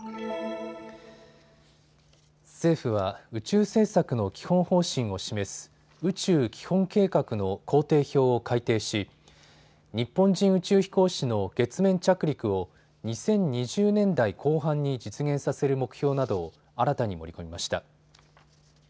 政府は宇宙政策の基本方針を示す宇宙基本計画の工程表を改訂し、日本人宇宙飛行士の月面着陸を２０２０年代後半に実現させる目標などを新たに盛り込みました。